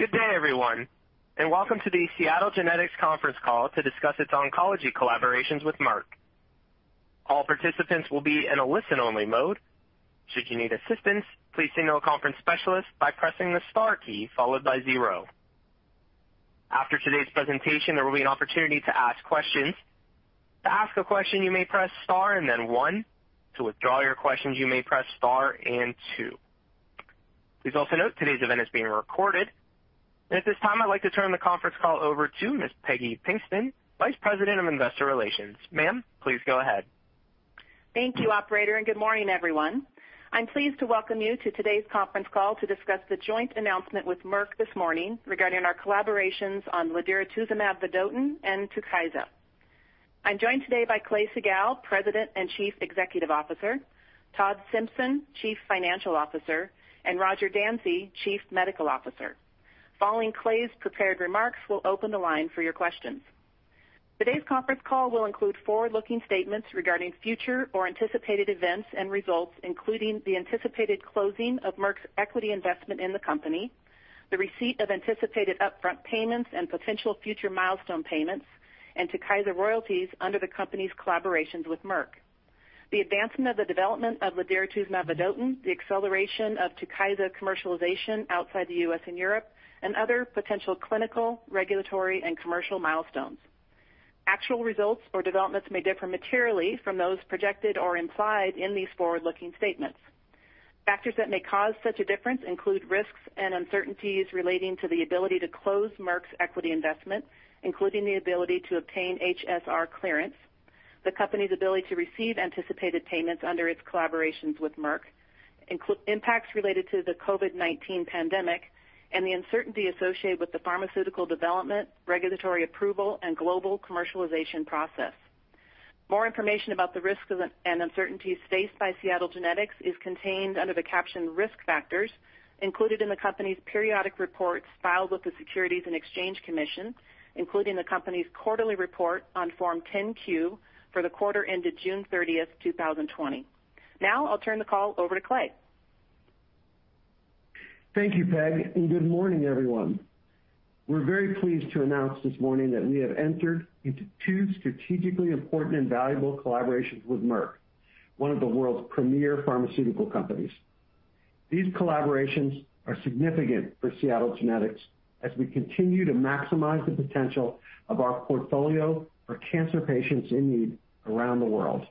Good day, everyone, and welcome to the Seattle Genetics conference call to discuss its oncology collaborations with Merck. All participants will be in a listen-only mode. Should you need assistance, please signal a conference specialist by pressing the star key followed by zero. After today's presentation, there will be an opportunity to ask questions. To ask a question, you may press star and then one. To withdraw your questions, you may press star and two. Please also note today's event is being recorded. At this time, I'd like to turn the conference call over to Ms. Peggy Pinkston, Vice President, Investor Relations. Ma'am, please go ahead. Thank you, operator, and good morning, everyone. I'm pleased to welcome you to today's conference call to discuss the joint announcement with Merck this morning regarding our collaborations on ladiratuzumab vedotin and TUKYSA. I'm joined today by Clay Siegall, President and Chief Executive Officer, Todd Simpson, Chief Financial Officer, and Roger Dansey, Chief Medical Officer. Following Clay's prepared remarks, we'll open the line for your questions. Today's conference call will include forward-looking statements regarding future or anticipated events and results, including the anticipated closing of Merck's equity investment in the company, the receipt of anticipated upfront payments and potential future milestone payments, and TUKYSA royalties under the company's collaborations with Merck, the advancement of the development of ladiratuzumab vedotin, the acceleration of TUKYSA commercialization outside the U.S. and Europe, and other potential clinical, regulatory, and commercial milestones. Actual results or developments may differ materially from those projected or implied in these forward-looking statements. Factors that may cause such a difference include risks and uncertainties relating to the ability to close Merck's equity investment, including the ability to obtain HSR clearance, the company's ability to receive anticipated payments under its collaborations with Merck, impacts related to the COVID-19 pandemic, and the uncertainty associated with the pharmaceutical development, regulatory approval, and global commercialization process. More information about the risks and uncertainties faced by Seattle Genetics is contained under the caption Risk Factors included in the company's periodic reports filed with the Securities and Exchange Commission, including the company's quarterly report on Form 10-Q for the quarter ended June 30th, 2020. Now, I'll turn the call over to Clay. Thank you, Peg. Good morning, everyone. We're very pleased to announce this morning that we have entered into two strategically important and valuable collaborations with Merck, one of the world's premier pharmaceutical companies. These collaborations are significant for Seattle Genetics as we continue to maximize the potential of our portfolio for cancer patients in need around the world.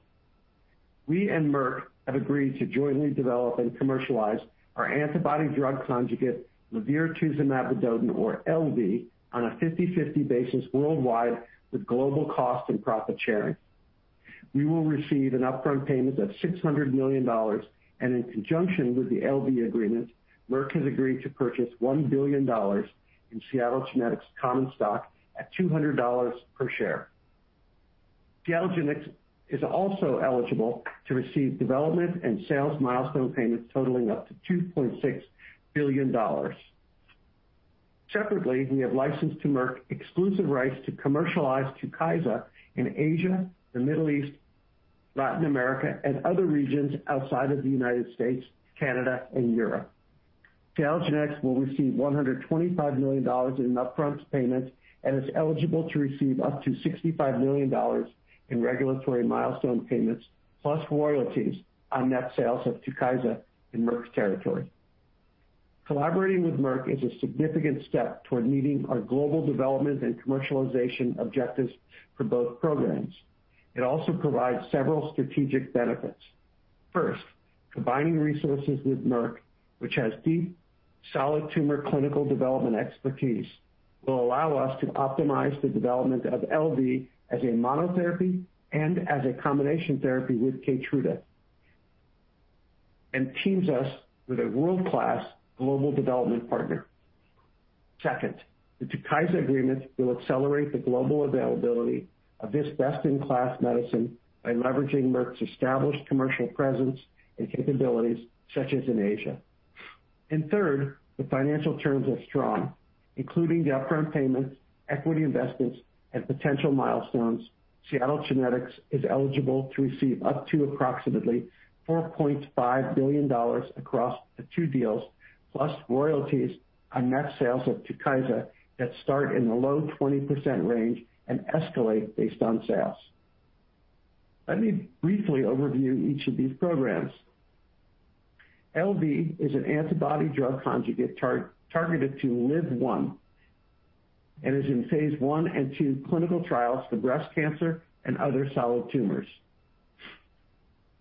We and Merck have agreed to jointly develop and commercialize our antibody-drug conjugate, ladiratuzumab vedotin, or LV, on a 50/50 basis worldwide with global cost and profit sharing. We will receive an upfront payment of $600 million, and in conjunction with the LV agreement, Merck has agreed to purchase $1 billion in Seattle Genetics common stock at $200 per share. Seattle Genetics is also eligible to receive development and sales milestone payments totaling up to $2.6 billion. Separately, we have licensed to Merck exclusive rights to commercialize TUKYSA in Asia, the Middle East, Latin America, and other regions outside of the U.S., Canada, and Europe. Seattle Genetics will receive $125 million in upfront payments and is eligible to receive up to $65 million in regulatory milestone payments, plus royalties on net sales of TUKYSA in Merck's territory. Collaborating with Merck is a significant step toward meeting our global development and commercialization objectives for both programs. It also provides several strategic benefits. Combining resources with Merck, which has deep, solid tumor clinical development expertise, will allow us to optimize the development of LV as a monotherapy and as a combination therapy with KEYTRUDA, and teams us with a world-class global development partner. Second, the TUKYSA agreement will accelerate the global availability of this best-in-class medicine by leveraging Merck's established commercial presence and capabilities, such as in Asia. Third, the financial terms are strong, including the upfront payments, equity investments, and potential milestones. Seattle Genetics is eligible to receive up to approximately $4.5 billion across the two deals, plus royalties on net sales of TUKYSA that start in the low 20% range and escalate based on sales. Let me briefly overview each of these programs. LV is an antibody-drug conjugate targeted to LIV-1, and is in phase I and II clinical trials for breast cancer and other solid tumors.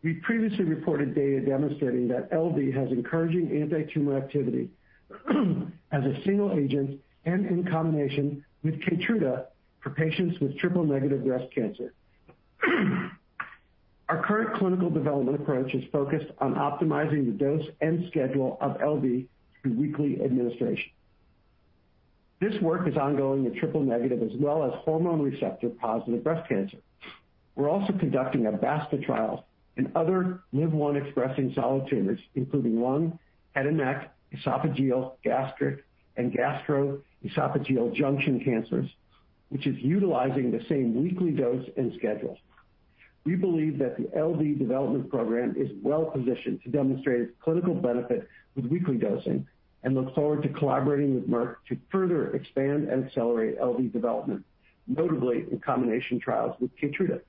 We previously reported data demonstrating that LV has encouraging anti-tumor activity as a single agent and in combination with KEYTRUDA for patients with triple-negative breast cancer. Our current clinical development approach is focused on optimizing the dose and schedule of LV through weekly administration. This work is ongoing in triple-negative as well as hormone receptor-positive breast cancer. We're also conducting a basket trial in other LIV-1-expressing solid tumors, including lung, head and neck, esophageal, gastric, and gastroesophageal junction cancers, which is utilizing the same weekly dose and schedule. We believe that the LV development program is well-positioned to demonstrate its clinical benefit with weekly dosing and look forward to collaborating with Merck to further expand and accelerate LV development, notably in combination trials with KEYTRUDA.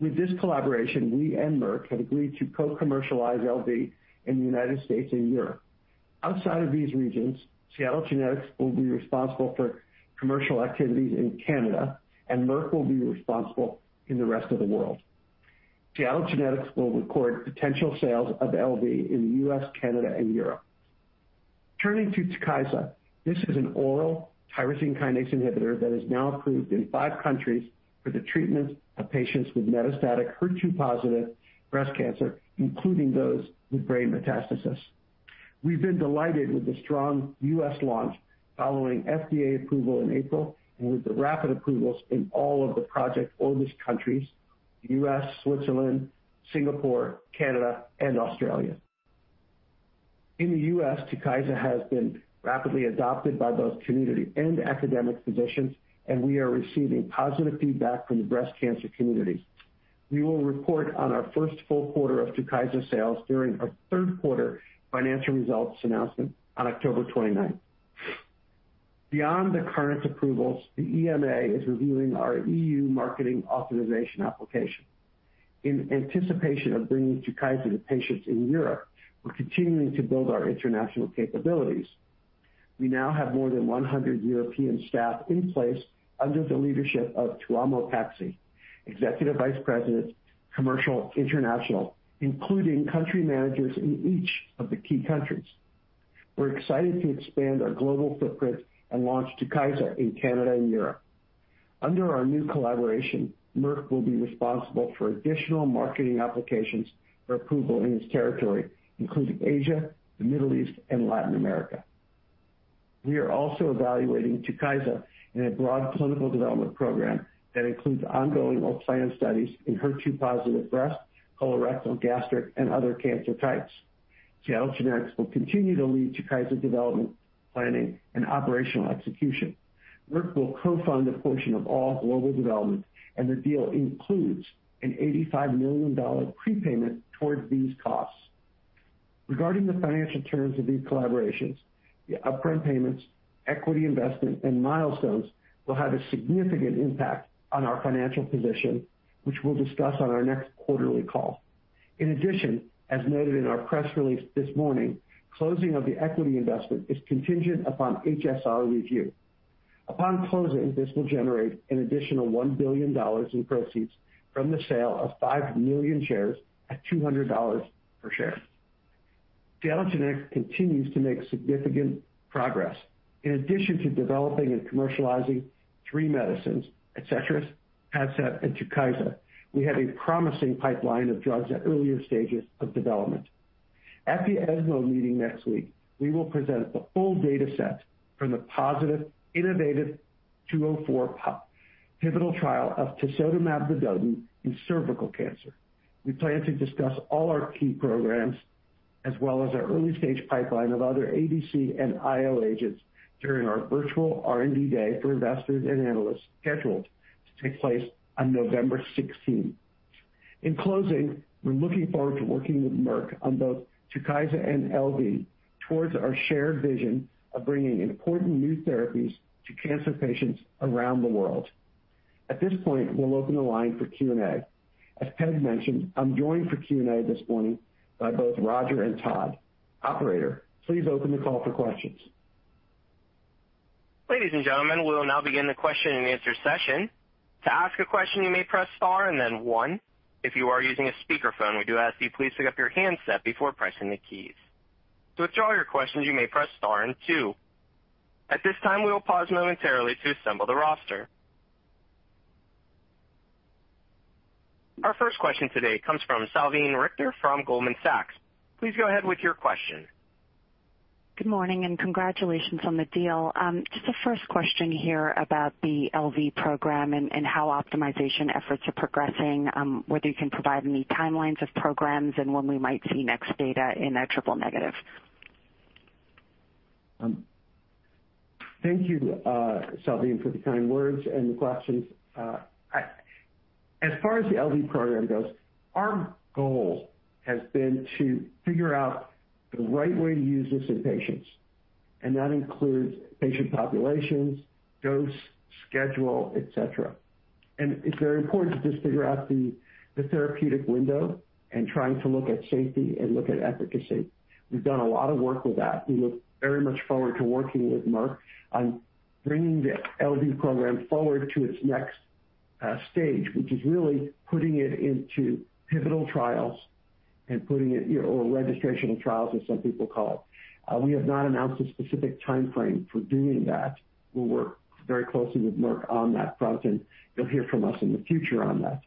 With this collaboration, we and Merck have agreed to co-commercialize LV in the United States and Europe. Outside of these regions, Seattle Genetics will be responsible for commercial activities in Canada, and Merck will be responsible in the rest of the world. Seattle Genetics will record potential sales of LV in the U.S., Canada, and Europe. Turning to TUKYSA, this is an oral tyrosine kinase inhibitor that is now approved in five countries for the treatment of patients with metastatic HER2-positive breast cancer, including those with brain metastasis. We've been delighted with the strong U.S. launch following FDA approval in April and with the rapid approvals in all of the Project Orbis countries, the U.S., Switzerland, Singapore, Canada, and Australia. In the U.S., TUKYSA has been rapidly adopted by both community and academic physicians, and we are receiving positive feedback from the breast cancer community. We will report on our first full quarter of TUKYSA sales during our third quarter financial results announcement on October 29th. Beyond the current approvals, the EMA is reviewing our EU marketing authorization application. In anticipation of bringing TUKYSA to patients in Europe, we're continuing to build our international capabilities. We now have more than 100 European staff in place under the leadership of Tuomo Paetsi, Executive Vice President, Commercial, International, including country managers in each of the key countries. We're excited to expand our global footprint and launch TUKYSA in Canada and Europe. Under our new collaboration, Merck will be responsible for additional marketing applications for approval in its territory, including Asia, the Middle East, and Latin America. We are also evaluating TUKYSA in a broad clinical development program that includes ongoing planned studies in HER2-positive breast, colorectal, gastric, and other cancer types. Seattle Genetics will continue to lead TUKYSA development, planning, and operational execution. Merck will co-fund a portion of all global development, and the deal includes an $85 million prepayment towards these costs. Regarding the financial terms of these collaborations, the upfront payments, equity investment, and milestones will have a significant impact on our financial position, which we'll discuss on our next quarterly call. In addition, as noted in our press release this morning, closing of the equity investment is contingent upon HSR review. Upon closing, this will generate an additional $1 billion in proceeds from the sale of 5 million shares at $200 per share. Seattle Genetics continues to make significant progress. In addition to developing and commercializing three medicines, ADCETRIS, PADCEV, and TUKYSA, we have a promising pipeline of drugs at earlier stages of development. At the ESMO meeting next week, we will present the full data set from the positive innovaTV 204 pivotal trial of tisotumab vedotin in cervical cancer. We plan to discuss all our key programs as well as our early-stage pipeline of other ADC and IO agents during our virtual R&D Day for investors and analysts scheduled to take place on November 16th. In closing, we're looking forward to working with Merck on both TUKYSA and LV towards our shared vision of bringing important new therapies to cancer patients around the world. At this point, we'll open the line for Q&A. As Peg mentioned, I'm joined for Q&A this morning by both Roger and Todd. Operator, please open the call for questions. Ladies and gentlemen, we will now begin the question-and-answer session. To ask a question you may press star and one, if you are using speaker phone please pick up your handset before pressing the keys. To withdraw your question please press star and two. At this time, we will pause momentarily to assemble the roster. Our first question today comes from Salveen Richter from Goldman Sachs. Please go ahead with your question. Good morning, congratulations on the deal. Just a first question here about the LV program and how optimization efforts are progressing, whether you can provide any timelines of programs and when we might see next data in triple-negative. Thank you, Salveen, for the kind words and the questions. As far as the LV program goes, our goal has been to figure out the right way to use this in patients, and that includes patient populations, dose, schedule, etc. It's very important to just figure out the therapeutic window and trying to look at safety and look at efficacy. We've done a lot of work with that. We look very much forward to working with Merck on bringing the LV program forward to its next stage, which is really putting it into pivotal trials and putting it, or registrational trials, as some people call it. We have not announced a specific timeframe for doing that. We'll work very closely with Merck on that front, and you'll hear from us in the future on that.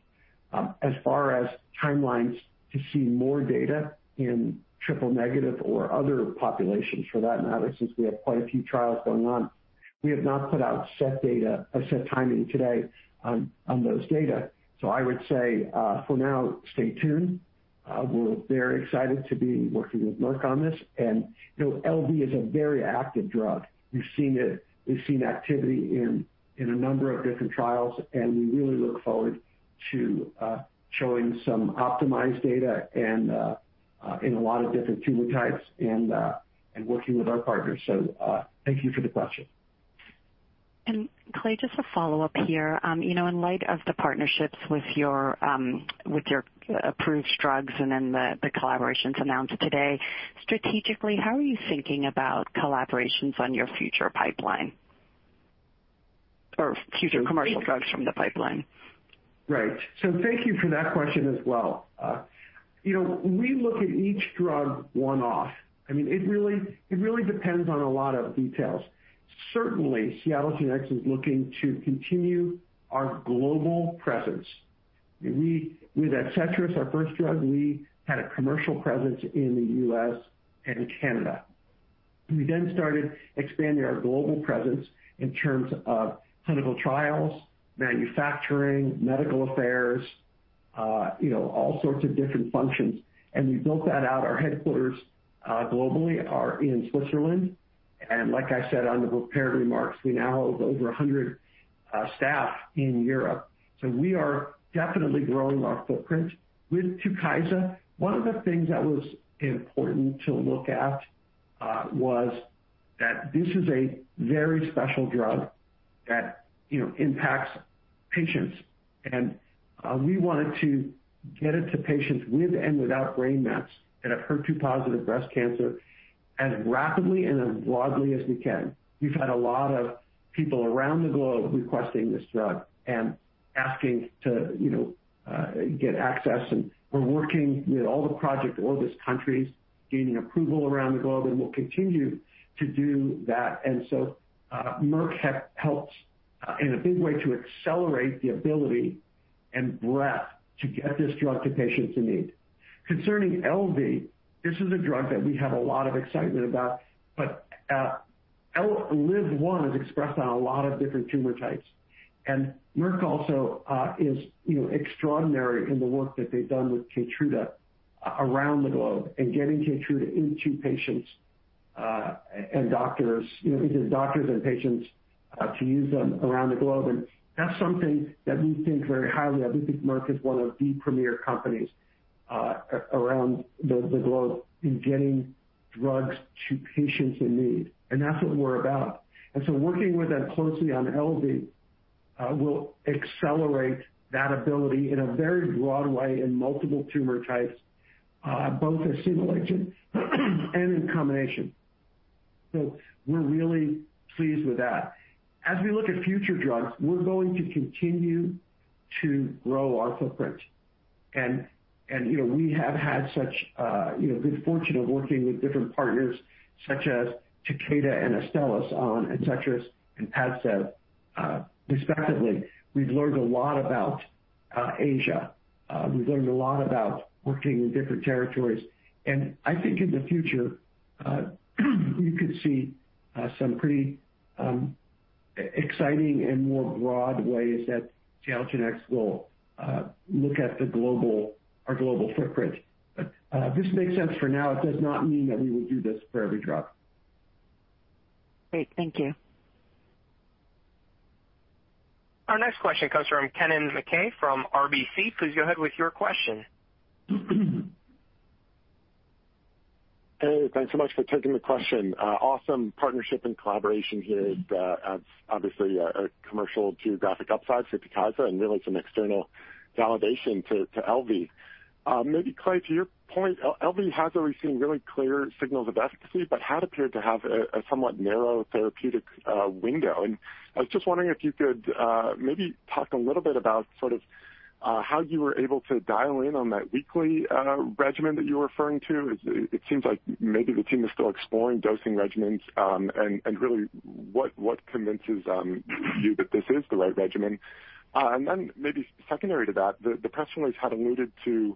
As far as timelines to see more data in triple-negative or other populations for that matter, since we have quite a few trials going on, we have not put out set data or set timing today on those data. I would say, for now, stay tuned. We're very excited to be working with Merck on this, and LV is a very active drug. We've seen activity in a number of different trials, and we really look forward to showing some optimized data and in a lot of different tumor types and working with our partners. Thank you for the question. Clay, just a follow-up here. In light of the partnerships with your approved drugs and then the collaborations announced today, strategically, how are you thinking about collaborations on your future pipeline or future commercial drugs from the pipeline? Right. Thank you for that question as well. We look at each drug one-off. It really depends on a lot of details. Certainly, Seattle Genetics is looking to continue our global presence. With ADCETRIS, our first drug, we had a commercial presence in the U.S. and Canada. We then started expanding our global presence in terms of clinical trials, manufacturing, medical affairs, all sorts of different functions. We built that out. Our headquarters globally are in Switzerland, and like I said on the prepared remarks, we now have over 100 staff in Europe. We are definitely growing our footprint. With TUKYSA, one of the things that was important to look at was that this is a very special drug that impacts patients. We wanted to get it to patients with and without brain mets that have HER2-positive breast cancer as rapidly and as broadly as we can. We've had a lot of people around the globe requesting this drug and asking to get access, and we're working with all the Project Orbis countries gaining approval around the globe, and we'll continue to do that. Merck helped in a big way to accelerate the ability and breadth to get this drug to patients in need. Concerning LV, this is a drug that we have a lot of excitement about, but LIV-1 is expressed on a lot of different tumor types. Merck also is extraordinary in the work that they've done with KEYTRUDA around the globe and getting KEYTRUDA into doctors and patients to use around the globe. That's something that we think very highly of. We think Merck is one of the premier companies around the globe in getting drugs to patients in need, and that's what we're about. Working with them closely on LV will accelerate that ability in a very broad way in multiple tumor types, both as single agent and in combination. We're really pleased with that. As we look at future drugs, we're going to continue to grow our footprint. We have had such good fortune of working with different partners such as Takeda and Astellas on ADCETRIS and PADCEV respectively. We've learned a lot about Asia. We've learned a lot about working in different territories. I think in the future, you could see some pretty exciting and more broad ways that Seattle Genetics will look at our global footprint. This makes sense for now. It does not mean that we would do this for every drug. Great. Thank you. Our next question comes from Kennen MacKay from RBC. Please go ahead with your question. Hey, thanks so much for taking the question. Awesome partnership and collaboration here. Obviously, a commercial geographic upside for TUKYSA and really some external validation to LV. Maybe Clay, to your point, LV has already seen really clear signals of efficacy, but had appeared to have a somewhat narrow therapeutic window. I was just wondering if you could maybe talk a little bit about how you were able to dial in on that weekly regimen that you were referring to. It seems like maybe the team is still exploring dosing regimens, and really what convinces you that this is the right regimen. Maybe secondary to that, the press release had alluded to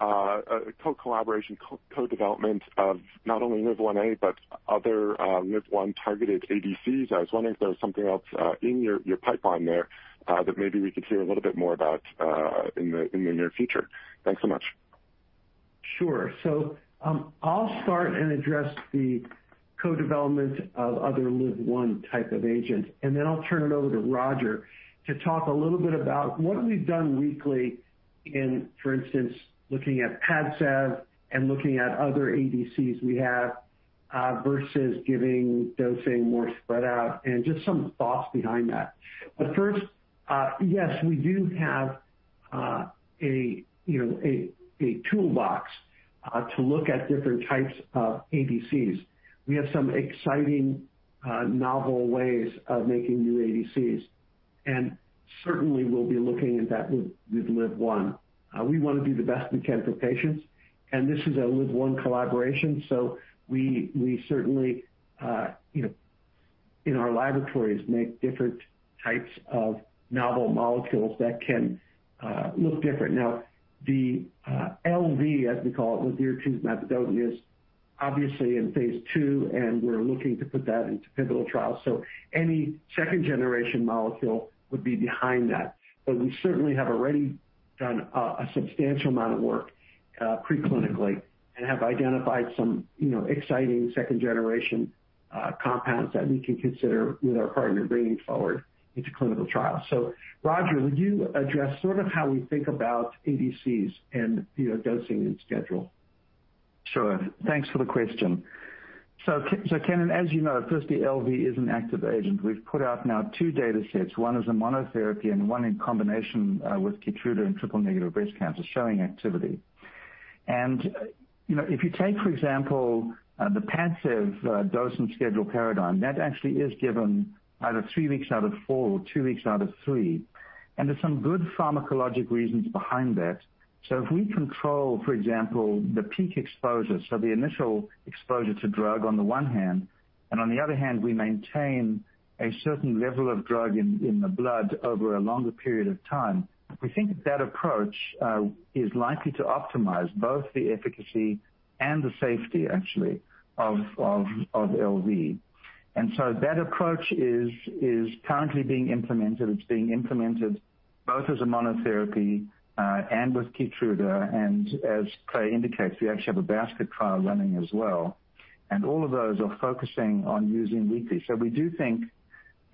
a co-collaboration, co-development of not only LIV1A, but other LIV-1 targeted ADCs. I was wondering if there was something else in your pipeline there that maybe we could hear a little bit more about in the near future. Thanks so much. Sure. I'll start and address the co-development of other LIV-1 type of agents, then I'll turn it over to Roger to talk a little bit about what we've done weekly in, for instance, looking at PADCEV and looking at other ADCs we have, versus giving dosing more spread out and just some thoughts behind that. First, yes, we do have a toolbox to look at different types of ADCs. We have some exciting, novel ways of making new ADCs. Certainly, we'll be looking at that with LIV-1. We want to do the best we can for patients, and this is a LIV-1 collaboration, so we certainly in our laboratories make different types of novel molecules that can look different. The LV, as we call it, ladiratuzumab vedotin, obviously in phase II, and we're looking to put that into pivotal trials, so any second-generation molecule would be behind that. We certainly have already done a substantial amount of work pre-clinically and have identified some exciting second-generation compounds that we can consider with our partner bringing forward into clinical trials. Roger, would you address sort of how we think about ADCs and dosing and schedule? Sure. Thanks for the question. Kennen, as you know, firstly, LV is an active agent. We've put out now two datasets. One is a monotherapy, and one in combination with KEYTRUDA in triple-negative breast cancer, showing activity. If you take, for example, the PADCEV dose and schedule paradigm, that actually is given either three weeks out of four, or two weeks out of three, and there's some good pharmacologic reasons behind that. If we control, for example, the peak exposure, the initial exposure to drug on the one hand, and on the other hand, we maintain a certain level of drug in the blood over a longer period of time, we think that approach is likely to optimize both the efficacy and the safety actually of LV. That approach is currently being implemented. It's being implemented both as a monotherapy and with KEYTRUDA. As Clay indicates, we actually have a basket trial running as well, and all of those are focusing on using weekly. We do think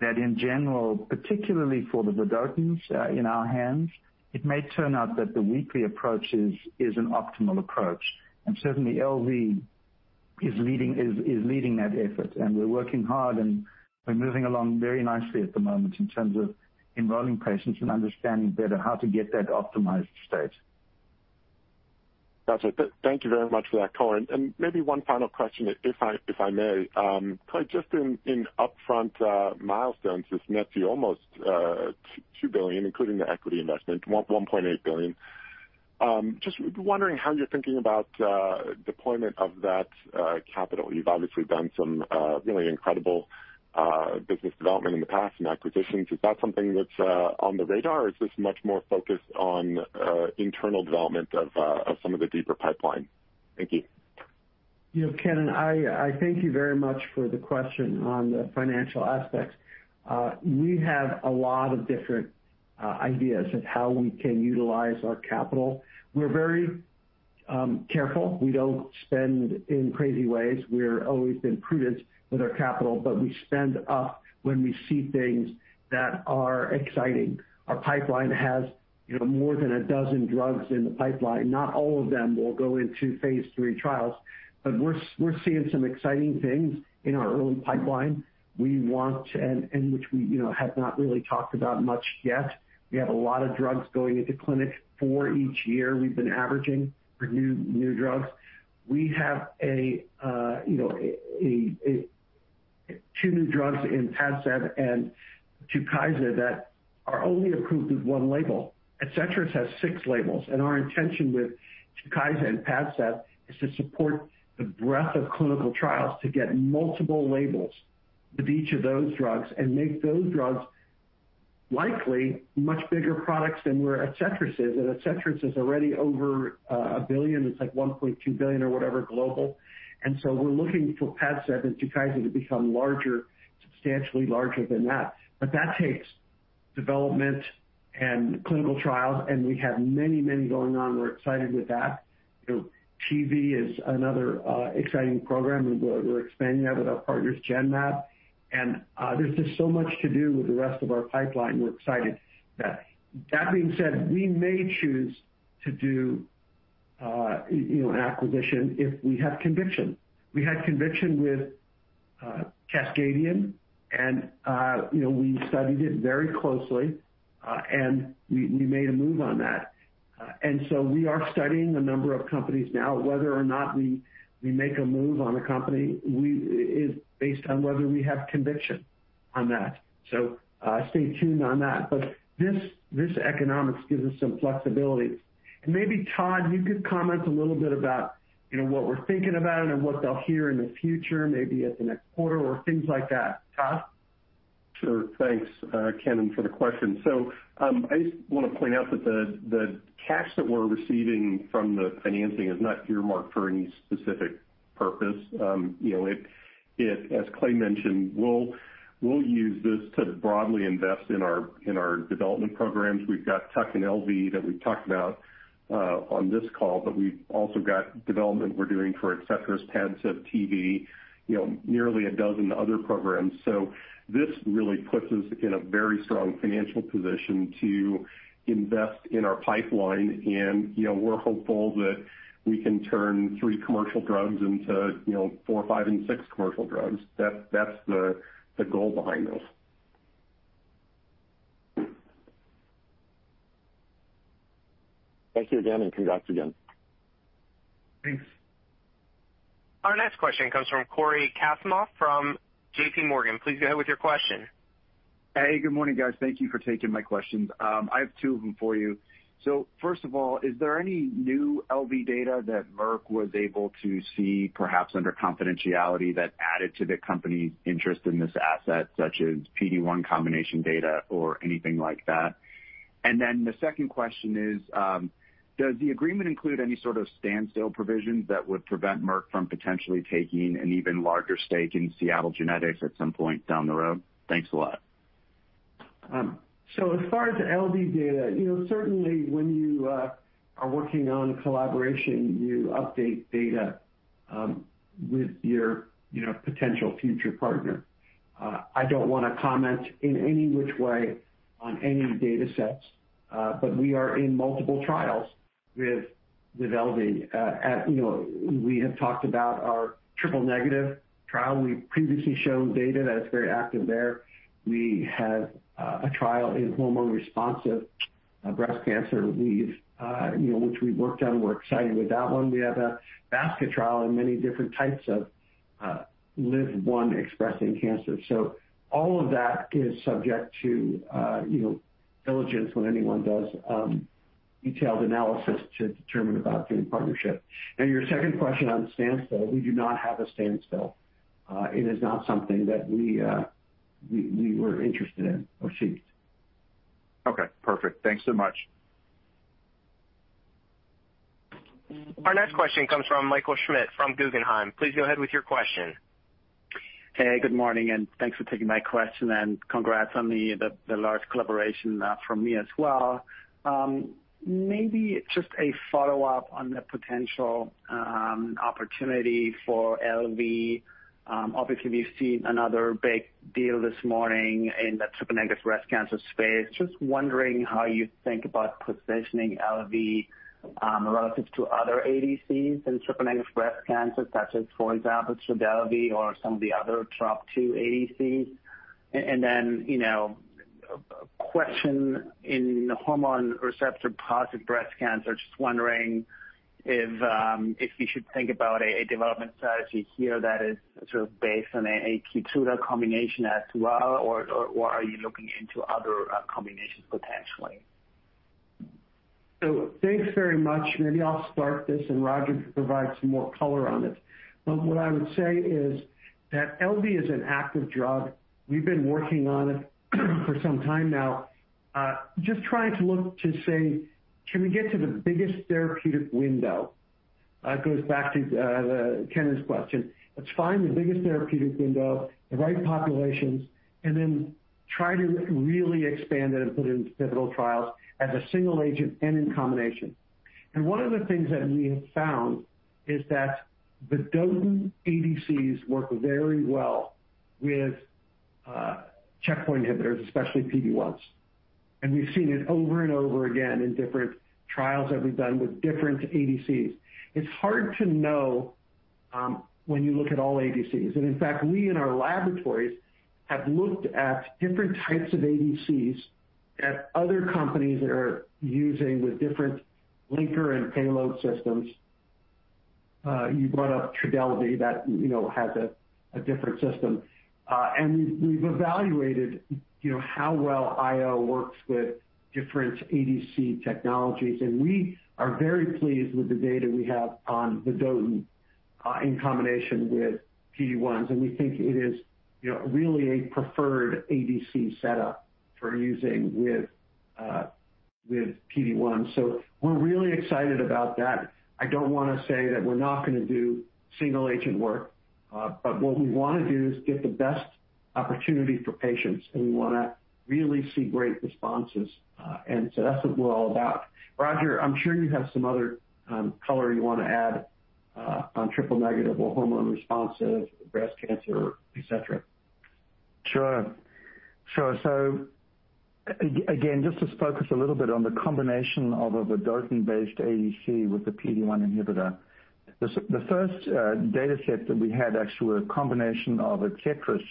that in general, particularly for the vedotins in our hands, it may turn out that the weekly approach is an optimal approach, and certainly LV is leading that effort. We're working hard, and we're moving along very nicely at the moment in terms of enrolling patients and understanding better how to get that optimized state. Got you. Thank you very much for that color. Maybe one final question, if I may. Clay, just in upfront milestones, this nets you almost $2 billion, including the equity investment, $1.8 billion. Just wondering how you're thinking about deployment of that capital. You've obviously done some really incredible business development in the past and acquisitions. Is that something that's on the radar, or is this much more focused on internal development of some of the deeper pipeline? Thank you. Kennen, I thank you very much for the question on the financial aspects. We have a lot of different ideas of how we can utilize our capital. We're very careful. We don't spend in crazy ways. We've always been prudent with our capital, but we spend up when we see things that are exciting. Our pipeline has more than 12 drugs in the pipeline. Not all of them will go into phase III trials, but we're seeing some exciting things in our early pipeline, and which we have not really talked about much yet. We have a lot of drugs going into clinic. Four each year we've been averaging for new drugs. We have two new drugs in PADCEV and TUKYSA that are only approved with one label. ADCETRIS has six labels. Our intention with TUKYSA and PADCEV is to support the breadth of clinical trials to get multiple labels with each of those drugs and make those drugs likely much bigger products than where ADCETRIS is. ADCETRIS is already over $1 billion. It's like $1.2 billion or whatever global. We're looking for PADCEV and TUKYSA to become larger, substantially larger than that. That takes development and clinical trials. We have many going on. We're excited with that. TV is another exciting program. We're expanding that with our partners Genmab. There's just so much to do with the rest of our pipeline. We're excited. That being said, we may choose to do an acquisition if we have conviction. We had conviction with Cascadian. We studied it very closely. We made a move on that. We are studying a number of companies now. Whether or not we make a move on a company is based on whether we have conviction on that. Stay tuned on that. This economics gives us some flexibility. Maybe Todd, you could comment a little bit about what we're thinking about and then what they'll hear in the future, maybe at the next quarter or things like that. Todd? Sure. Thanks, Kennen, for the question. I just want to point out that the cash that we're receiving from the financing is not earmarked for any specific purpose. As Clay mentioned, we'll use this to broadly invest in our development programs. We've got TUC and LV that we've talked about on this call, but we've also got development we're doing for ADCETRIS, PADCEV, TV, nearly a dozen other programs. This really puts us in a very strong financial position to invest in our pipeline, and we're hopeful that we can turn three commercial drugs into four, five, and six commercial drugs. That's the goal behind this. Thank you again, and congrats again. Thanks. Our next question comes from Cory Kasimov from JPMorgan. Please go ahead with your question. Hey, good morning, guys. Thank you for taking my questions. I have two of them for you. First of all, is there any new LV data that Merck was able to see, perhaps under confidentiality, that added to the company's interest in this asset, such as PD-1 combination data or anything like that? The second question is, does the agreement include any sort of standstill provisions that would prevent Merck from potentially taking an even larger stake in Seattle Genetics at some point down the road? Thanks a lot. As far as LV data, certainly when you are working on a collaboration, you update data with your potential future partner. I don't want to comment in any which way on any data sets, but we are in multiple trials with LV. We have talked about our triple-negative trial. We've previously shown data that it's very active there. We have a trial in hormone-responsive breast cancer, which we worked on. We're excited with that one. We have a basket trial in many different types of LIV-1 expressing cancer. All of that is subject to diligence when anyone does detailed analysis to determine about doing partnership. Your second question on standstill, we do not have a standstill. It is not something that we were interested in or seeked. Okay, perfect. Thanks so much. Our next question comes from Michael Schmidt from Guggenheim. Please go ahead with your question. Good morning, thanks for taking my question, congrats on the large collaboration from me as well. Just a follow-up on the potential opportunity for LV. We've seen another big deal this morning in the triple-negative breast cancer space. Just wondering how you think about positioning LV relative to other ADCs in triple-negative breast cancer, such as, for example, TRODELVY or some of the other Trop-2 ADCs. A question in hormone receptor-positive breast cancer. Just wondering if you should think about a development strategy here that is sort of based on a KEYTRUDA combination as well, are you looking into other combinations potentially? Thanks very much. Maybe I'll start this and Roger can provide some more color on it. What I would say is that LV is an active drug. We've been working on it for some time now. Just trying to look to say, can we get to the biggest therapeutic window? It goes back to Kenn's question. Let's find the biggest therapeutic window, the right populations, and then try to really expand it and put it into pivotal trials as a single agent and in combination. One of the things that we have found is that the vedotin ADCs work very well with checkpoint inhibitors, especially PD-1s. We've seen it over and over again in different trials that we've done with different ADCs. It's hard to know when you look at all ADCs. In fact, we in our laboratories have looked at different types of ADCs that other companies are using with different linker and payload systems. You brought up TRODELVY, that has a different system. We've evaluated how well IO works with different ADC technologies, and we are very pleased with the data we have on the vedotin in combination with PD-1s, and we think it is really a preferred ADC setup for using with PD-1. We're really excited about that. I don't want to say that we're not going to do single agent work. What we want to do is get the best opportunity for patients, and we want to really see great responses. That's what we're all about. Roger, I'm sure you have some other color you want to add on triple-negative or hormone receptor-positive breast cancer, etc. Sure. Again, just to focus a little bit on the combination of a vedotin-based ADC with the PD-1 inhibitor. The first data set that we had actually were a combination of ADCETRIS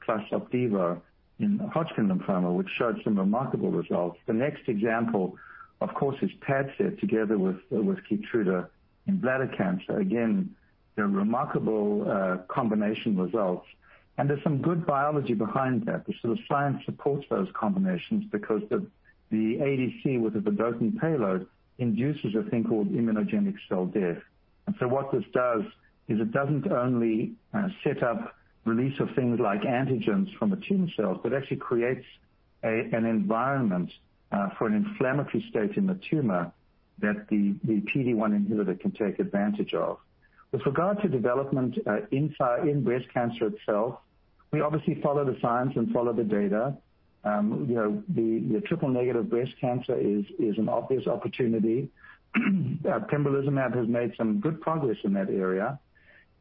plus OPDIVO in Hodgkin lymphoma, which showed some remarkable results. The next example, of course, is PADCEV together with KEYTRUDA in bladder cancer. Again, they're remarkable combination results. There's some good biology behind that, the sort of science supports those combinations because the ADC with the vedotin payload induces a thing called immunogenic cell death. What this does is it doesn't only set up release of things like antigens from the tumor cells, but actually creates an environment for an inflammatory state in the tumor that the PD-1 inhibitor can take advantage of. With regard to development in breast cancer itself, we obviously follow the science and follow the data. The triple-negative breast cancer is an obvious opportunity, pembrolizumab has made some good progress in that area.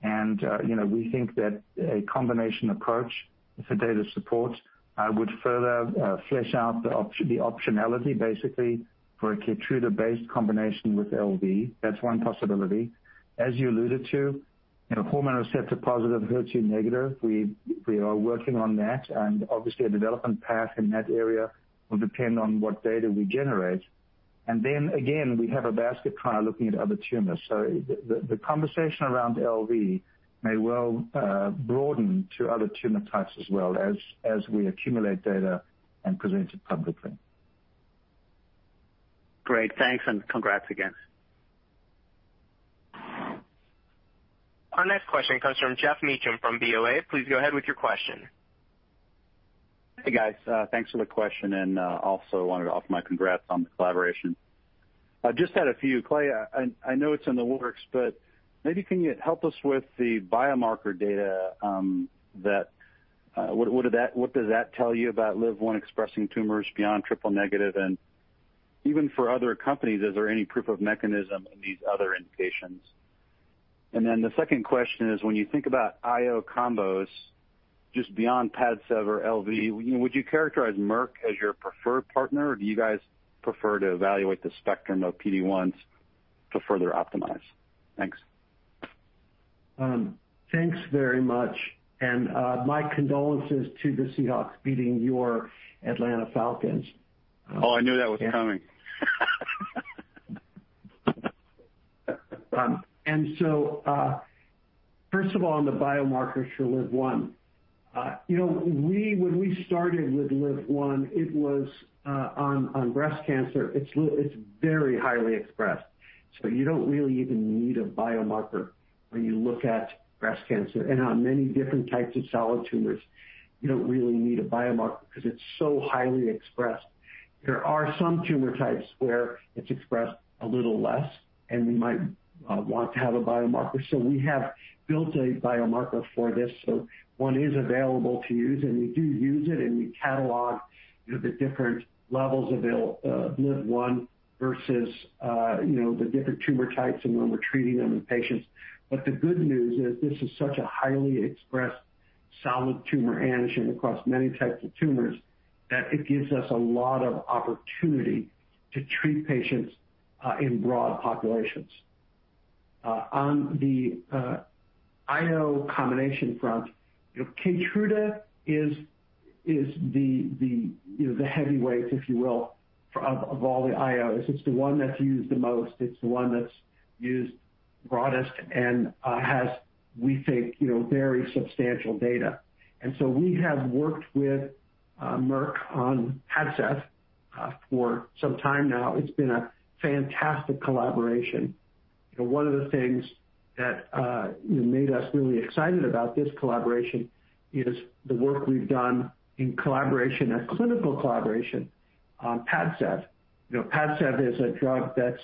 We think that a combination approach, if the data supports, would further flesh out the optionality, basically, for a KEYTRUDA-based combination with LV. That's one possibility. As you alluded to, hormone receptor-positive, HER2-negative, we are working on that, and obviously a development path in that area will depend on what data we generate. Again, we have a basket trial looking at other tumors. The conversation around LV may well broaden to other tumor types as well as we accumulate data and present it publicly. Great. Thanks, and congrats again. Our next question comes from Geoff Meacham from BofA. Please go ahead with your question. Hey, guys. Thanks for the question. Also wanted to offer my congrats on the collaboration. I just had a few. Clay, I know it's in the works, but maybe can you help us with the biomarker data, what does that tell you about LIV-1 expressing tumors beyond triple-negative? Even for other companies, is there any proof of mechanism in these other indications? The second question is, when you think about IO combos just beyond PADCEV or LV, would you characterize Merck as your preferred partner, or do you guys prefer to evaluate the spectrum of PD-1s to further optimize? Thanks. Thanks very much. My condolences to the Seahawks beating your Atlanta Falcons. Oh, I knew that was coming. First of all, on the biomarkers for LIV-1. When we started with LIV-1, it was on breast cancer. It's very highly expressed, so you don't really even need a biomarker when you look at breast cancer. On many different types of solid tumors, you don't really need a biomarker because it's so highly expressed. There are some tumor types where it's expressed a little less, and we might want to have a biomarker. We have built a biomarker for this, so one is available to use, and we do use it, and we catalog the different levels of LIV-1 versus the different tumor types and when we're treating them in patients. The good news is this is such a highly expressed solid tumor antigen across many types of tumors that it gives us a lot of opportunity to treat patients in broad populations. On the IO combination front, KEYTRUDA is the heavyweight, if you will, of all the IOs. It's the one that's used the most. It's the one that's used broadest and has, we think, very substantial data. We have worked with Merck on PADCEV for some time now. It's been a fantastic collaboration. One of the things that made us really excited about this collaboration is the work we've done in collaboration, a clinical collaboration on PADCEV. PADCEV is a drug that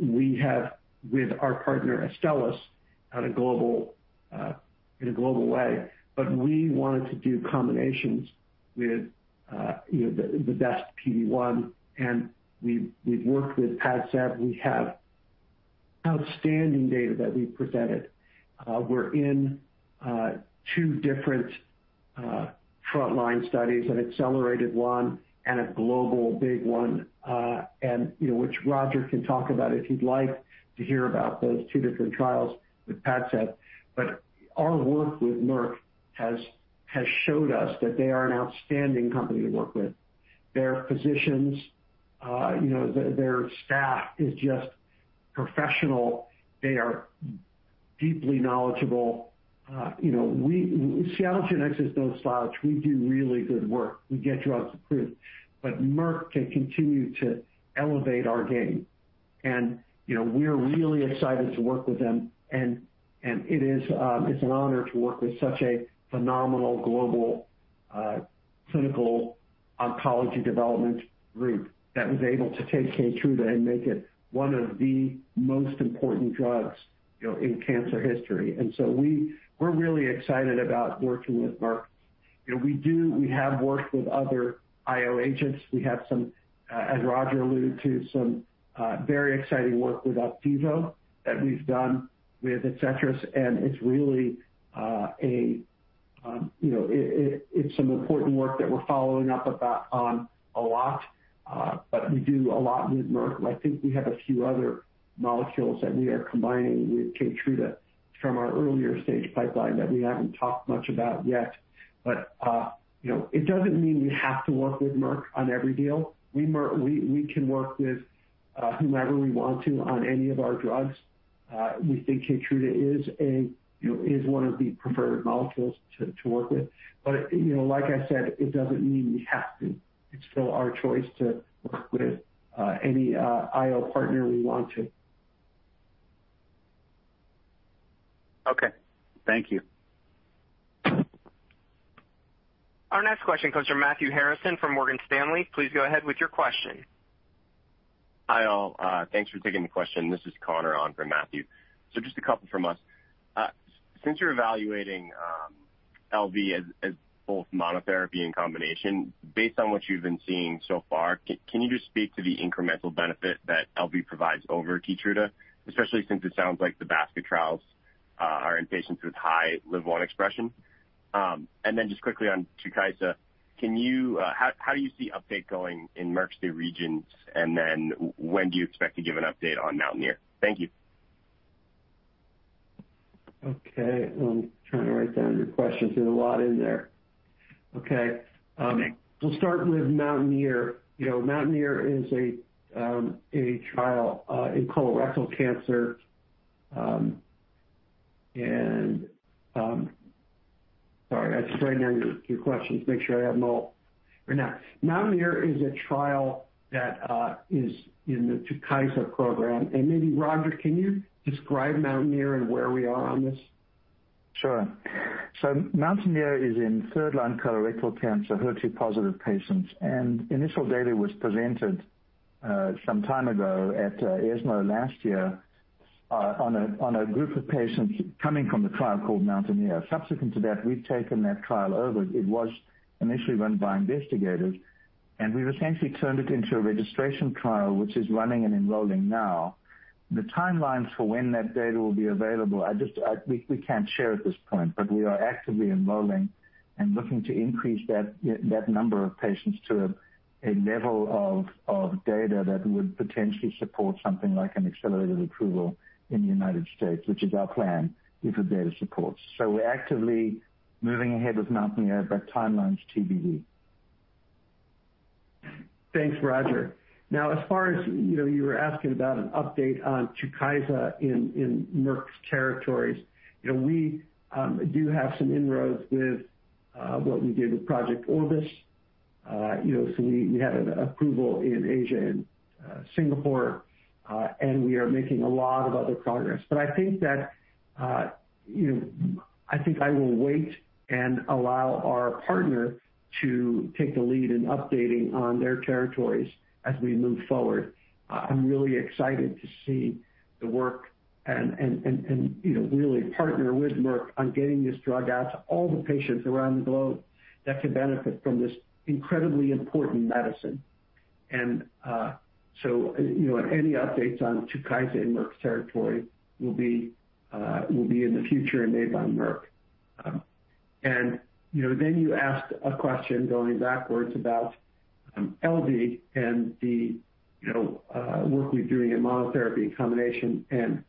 we have with our partner, Astellas, in a global way. We wanted to do combinations with the best PD-1, and we've worked with PADCEV. We have outstanding data that we've presented. We're in two different frontline studies, an accelerated one and a global big one, which Roger can talk about if you'd like to hear about those two different trials with PADCEV. Our work with Merck has showed us that they are an outstanding company to work with. Their physicians, their staff is just professional. They are deeply knowledgeable. Seattle Genetics is no slouch. We do really good work. We get drugs approved, Merck can continue to elevate our game. We're really excited to work with them, and it's an honor to work with such a phenomenal global clinical oncology development group that was able to take KEYTRUDA and make it one of the most important drugs in cancer history. We're really excited about working with Merck. We have worked with other IO agents. We have some, as Roger alluded to, some very exciting work with OPDIVO that we've done with ADCETRIS, and it's some important work that we're following up on a lot. We do a lot with Merck. I think we have a few other molecules that we are combining with KEYTRUDA from our earlier stage pipeline that we haven't talked much about yet. It doesn't mean we have to work with Merck on every deal. We can work with whoever we want to on any of our drugs. We think KEYTRUDA is one of the preferred molecules to work with. Like I said, it doesn't mean we have to. It's still our choice to work with any IO partner we want to. Okay. Thank you. Our next question comes from Matthew Harrison from Morgan Stanley. Please go ahead with your question. Hi, all. Thanks for taking the question. This is Connor on for Matthew. Just a couple from us. Since you're evaluating LV as both monotherapy and combination, based on what you've been seeing so far, can you just speak to the incremental benefit that LV provides over KEYTRUDA, especially since it sounds like the basket trials are in patients with high LIV-1 expression? Just quickly on TUKYSA, how do you see update going in Merck's three regions, and then when do you expect to give an update on MOUNTAINEER? Thank you. Okay. I'm trying to write down your questions. There's a lot in there. Okay. We'll start with MOUNTAINEER. MOUNTAINEER is a trial in colorectal cancer. Sorry, I'm just writing down your questions, make sure I have them all written down. MOUNTAINEER is a trial that is in the TUKYSA program. Maybe, Roger, can you describe MOUNTAINEER and where we are on this? Sure. MOUNTAINEER is in third-line colorectal cancer HER2-positive patients, and initial data was presented some time ago at ESMO last year. On a group of patients coming from the trial called MOUNTAINEER. Subsequent to that, we've taken that trial over. It was initially run by investigators, and we've essentially turned it into a registration trial, which is running and enrolling now. The timelines for when that data will be available, we can't share at this point, but we are actively enrolling and looking to increase that number of patients to a level of data that would potentially support something like an accelerated approval in the United States, which is our plan if the data supports. We're actively moving ahead with MOUNTAINEER, but timelines TBD. Thanks, Roger. As far as you were asking about an update on TUKYSA in Merck's territories. We do have some inroads with what we did with Project Orbis. We had an approval in Asia and Singapore. We are making a lot of other progress. I think I will wait and allow our partner to take the lead in updating on their territories as we move forward. I'm really excited to see the work and really partner with Merck on getting this drug out to all the patients around the globe that could benefit from this incredibly important medicine. Any updates on TUKYSA in Merck territory will be in the future and made by Merck. You asked a question going backwards about LV and the work we're doing in monotherapy and combination and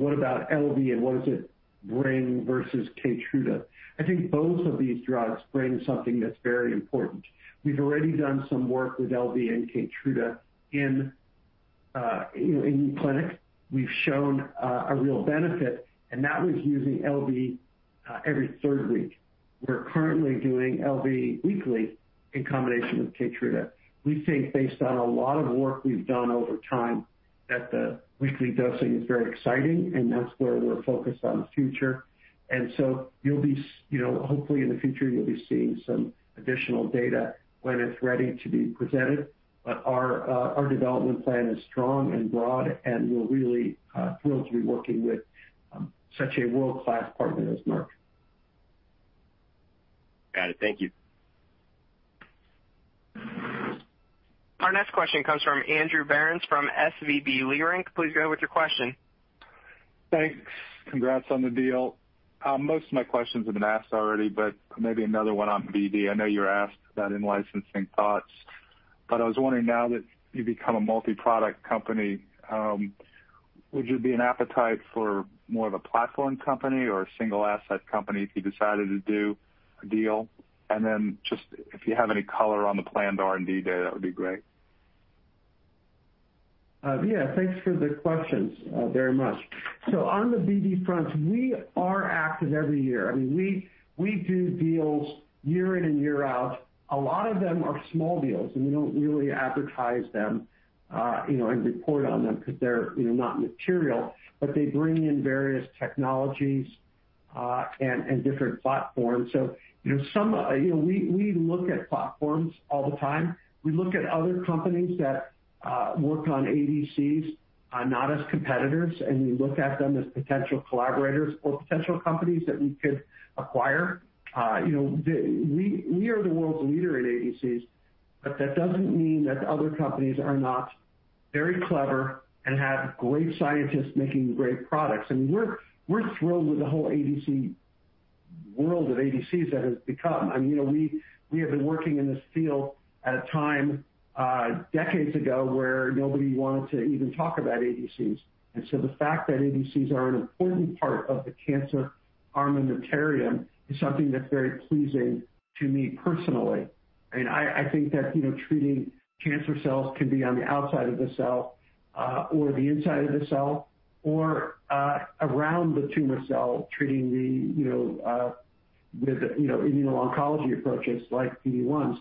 what about LV, and what does it bring versus KEYTRUDA? I think both of these drugs bring something that's very important. We've already done some work with LV and KEYTRUDA in clinic. We've shown a real benefit, and that was using LV every third week. We're currently doing LV weekly in combination with KEYTRUDA. We think based on a lot of work we've done over time, that the weekly dosing is very exciting, and that's where we're focused on the future. Hopefully in the future you'll be seeing some additional data when it's ready to be presented. Our development plan is strong and broad, and we're really thrilled to be working with such a world-class partner as Merck. Got it. Thank you. Our next question comes from Andrew Berens from SVB Leerink. Please go ahead with your question. Thanks. Congrats on the deal. Most of my questions have been asked already, but maybe another one on BD. I know you were asked about in-licensing thoughts, but I was wondering now that you've become a multi-product company, would you be an appetite for more of a platform company or a single asset company if you decided to do a deal? Then just if you have any color on the planned R&D Day, that would be great. Thanks for the questions very much. On the BD front, we are active every year. We do deals year in and year out. A lot of them are small deals, and we don't really advertise them, and report on them because they're not material. They bring in various technologies, and different platforms. We look at platforms all the time. We look at other companies that work on ADCs, not as competitors, and we look at them as potential collaborators or potential companies that we could acquire. We are the world's leader in ADCs, that doesn't mean that other companies are not very clever and have great scientists making great products. We're thrilled with the whole world of ADCs that has become. We have been working in this field at a time, decades ago, where nobody wanted to even talk about ADCs. The fact that ADCs are an important part of the cancer armamentarium is something that's very pleasing to me personally. I think that treating cancer cells can be on the outside of the cell, or the inside of the cell or around the tumor cell, treating the immuno-oncology approaches like PD-1s.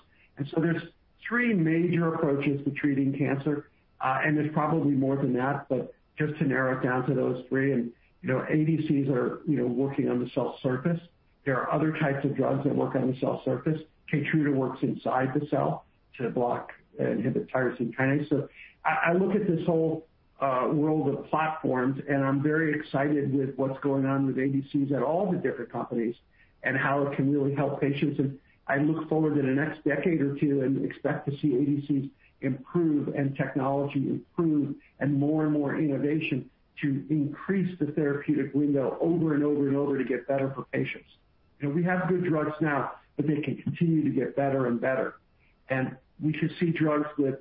There's three major approaches to treating cancer. There's probably more than that, but just to narrow it down to those three. ADCs are working on the cell surface. There are other types of drugs that work on the cell surface. KEYTRUDA works inside the cell to block and inhibit tyrosine kinase. I look at this whole world of platforms, and I'm very excited with what's going on with ADCs at all the different companies and how it can really help patients. I look forward in the next decade or two and expect to see ADCs improve and technology improve and more and more innovation to increase the therapeutic window over and over and over to get better for patients. We have good drugs now, but they can continue to get better and better. We could see drugs with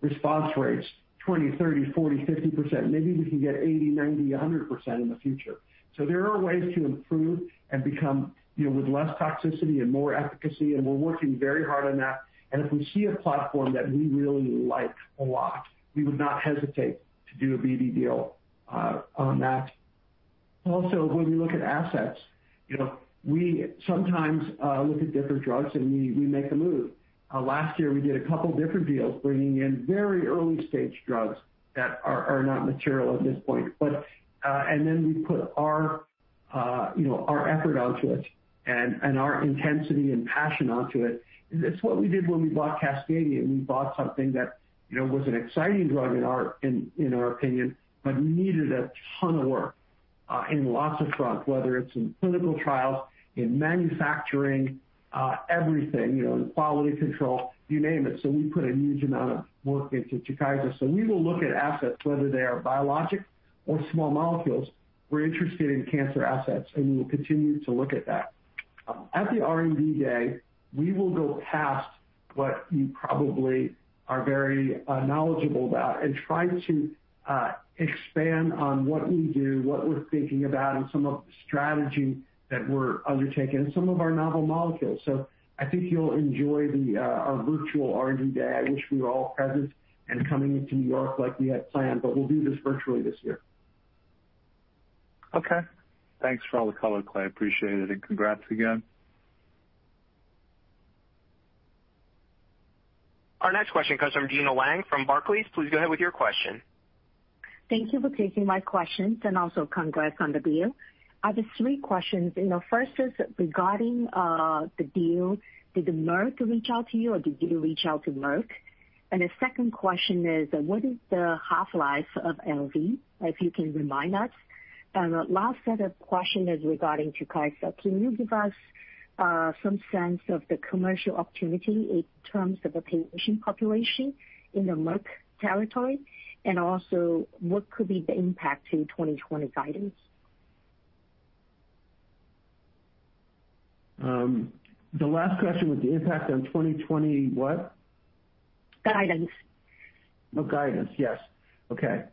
response rates 20%, 30%, 40%, 50%. Maybe we can get 80%, 90%, 100% in the future. There are ways to improve and become with less toxicity and more efficacy, and we're working very hard on that. If we see a platform that we really like a lot, we would not hesitate to do a BD deal on that. Also, when we look at assets, we sometimes look at different drugs, and we make a move. Last year we did a couple different deals bringing in very early-stage drugs that are not material at this point. Our effort onto it and our intensity and passion onto it. It's what we did when we bought Cascadian, and we bought something that was an exciting drug, in our opinion, but needed a ton of work in lots of fronts, whether it's in clinical trials, in manufacturing, everything, in quality control, you name it. We put a huge amount of work into TUKYSA. We will look at assets, whether they are biologic or small molecules. We're interested in cancer assets, and we will continue to look at that. At the R&D Day, we will go past what you probably are very knowledgeable about and try to expand on what we do, what we're thinking about, and some of the strategy that we're undertaking, and some of our novel molecules. I think you'll enjoy our virtual R&D Day. I wish we were all present and coming into New York like we had planned, but we'll do this virtually this year. Okay. Thanks for all the color, Clay. Appreciate it, and congrats again. Our next question comes from Gena Wang from Barclays. Please go ahead with your question. Thank you for taking my questions, and also congrats on the deal. I have three questions. First is regarding the deal. Did Merck reach out to you, or did you reach out to Merck? The second question is, what is the half-life of LV, if you can remind us? Last set of question is regarding TUKYSA. Can you give us some sense of the commercial opportunity in terms of the patient population in the Merck territory, and also, what could be the impact to 2020 guidance? The last question was the impact on 2020 what? Guidance. Guidance, yes. Okay.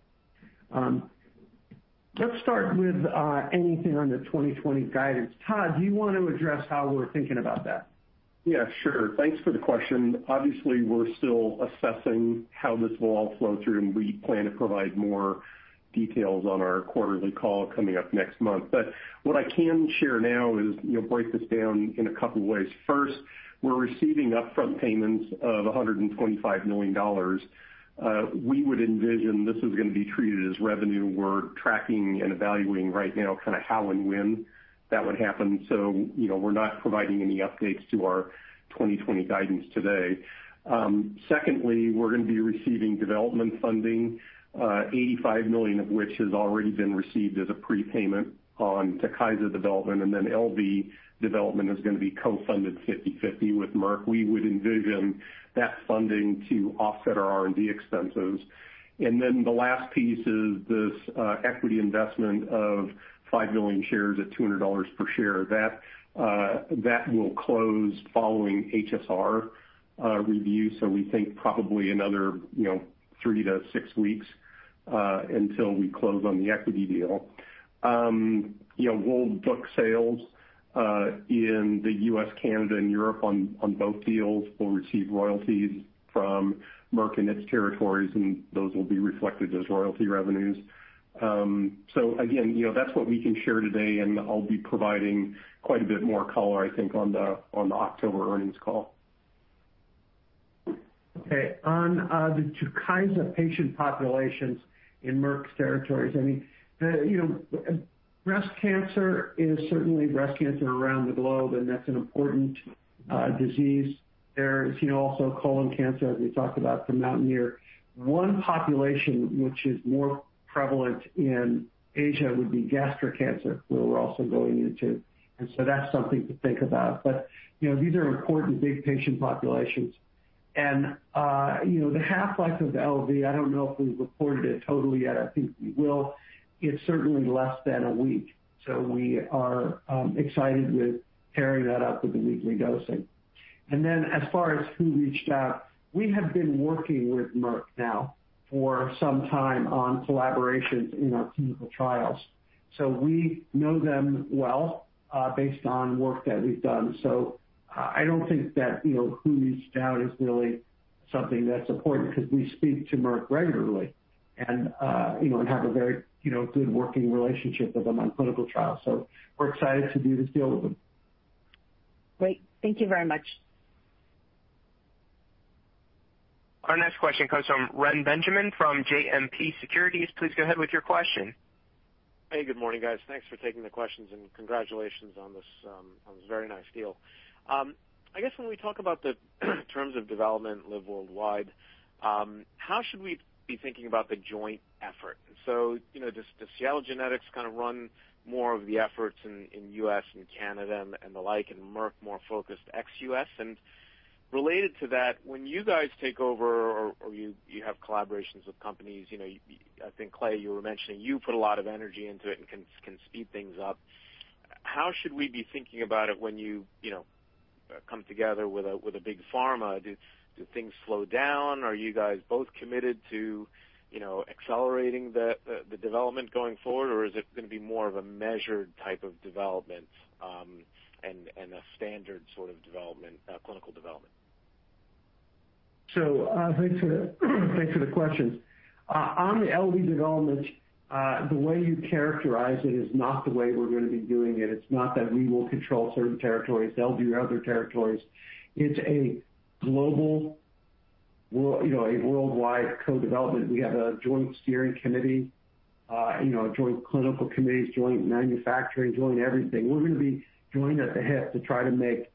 Let's start with anything on the 2020 guidance. Todd, do you want to address how we're thinking about that? Yeah, sure. Thanks for the question. Obviously, we're still assessing how this will all flow through, and we plan to provide more details on our quarterly call coming up next month. What I can share now is, break this down in a couple ways. First, we're receiving upfront payments of $125 million. We would envision this is going to be treated as revenue. We're tracking and evaluating right now how and when that would happen. We're not providing any updates to our 2020 guidance today. Secondly, we're going to be receiving development funding, $85 million of which has already been received as a prepayment on TUKYSA development, and then LV development is going to be co-funded 50/50 with Merck. We would envision that funding to offset our R&D expenses. The last piece is this equity investment of 5 million shares at $200 per share. That will close following HSR review. We think probably another three to six weeks until we close on the equity deal. We'll book sales in the U.S., Canada, and Europe on both deals. We'll receive royalties from Merck and its territories, and those will be reflected as royalty revenues. Again, that's what we can share today, and I'll be providing quite a bit more color, I think, on the October earnings call. Okay. On the TUKYSA patient populations in Merck territories, breast cancer is certainly breast cancer around the globe, and that's an important disease. There is also colon cancer, as we talked about for MOUNTAINEER. One population which is more prevalent in Asia would be gastric cancer, where we're also going into. That's something to think about. These are important big patient populations. The half-life of LV, I don't know if we've reported it totally yet. I think we will. It's certainly less than a week, so we are excited with pairing that up with the weekly dosing. Then as far as who reached out, we have been working with Merck now for some time on collaborations in our clinical trials. We know them well based on work that we've done. I don't think that who reached out is really something that's important because we speak to Merck regularly and have a very good working relationship with them on clinical trials. We're excited to do this deal with them. Great. Thank you very much. Our next question comes from Reni Benjamin from JMP Securities. Please go ahead with your question. Hey, good morning, guys. Thanks for taking the questions and congratulations on this very nice deal. I guess when we talk about the terms of development, LV worldwide, how should we be thinking about the joint effort? Does Seattle Genetics run more of the efforts in U.S. and Canada and the like, and Merck more focused ex-U.S.? Related to that, when you guys take over or you have collaborations with companies, I think, Clay, you were mentioning you put a lot of energy into it and can speed things up. How should we be thinking about it when you come together with a big pharma? Do things slow down? Are you guys both committed to accelerating the development going forward, or is it going to be more of a measured type of development and a standard sort of clinical development? Thanks for the questions. On the LV development, the way you characterize it is not the way we're going to be doing it. It's not that we will control certain territories, they'll do other territories. It's a global a worldwide co-development. We have a joint steering committee, joint clinical committees, joint manufacturing, joint everything. We're going to be joined at the hip to try to make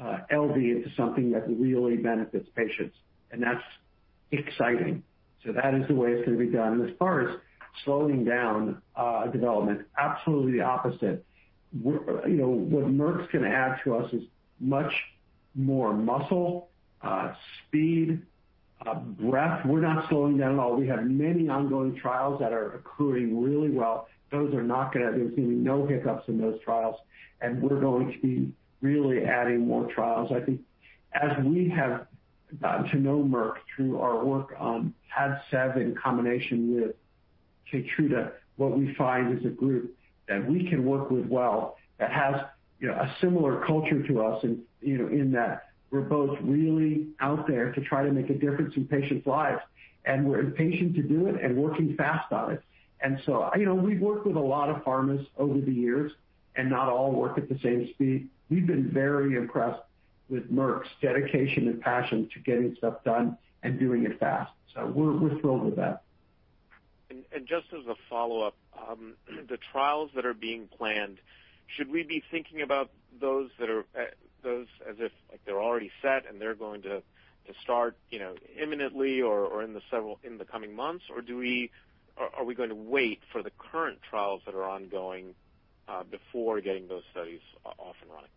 LV into something that really benefits patients, and that's exciting. That is the way it's going to be done. As far as slowing down development, absolutely the opposite. What Merck's going to add to us is much more muscle, speed, breadth. We're not slowing down at all. We have many ongoing trials that are accruing really well. There's going to be no hiccups in those trials, and we're going to be really adding more trials. I think as we have gotten to know Merck through our work on PADCEV in combination with KEYTRUDA, what we find is a group that we can work with well, that has a similar culture to us in that we're both really out there to try to make a difference in patients' lives. We're impatient to do it and working fast on it. We've worked with a lot of pharmas over the years. Not all work at the same speed. We've been very impressed with Merck's dedication and passion to getting stuff done and doing it fast. We're thrilled with that. Just as a follow-up, the trials that are being planned, should we be thinking about those as if they're already set and they're going to start imminently, or in the coming months? Are we going to wait for the current trials that are ongoing before getting those studies off and running?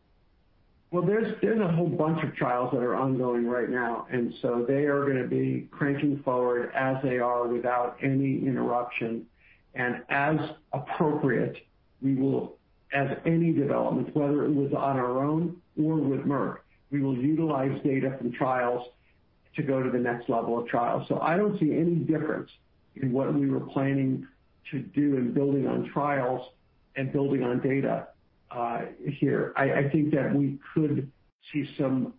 Well, there's a whole bunch of trials that are ongoing right now. They are going to be cranking forward as they are, without any interruption. As appropriate, as any developments, whether it was on our own or with Merck, we will utilize data from trials to go to the next level of trials. I don't see any difference in what we were planning to do in building on trials and building on data here. I think that we could see some